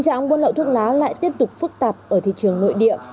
trạng buôn lậu thuốc lá lại tiếp tục phức tạp ở thị trường nội địa